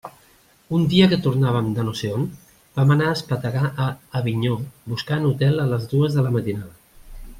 Un dia que tornàvem de no sé on, vam anar a espetegar a Avinyó buscant hotel a les dues de la matinada.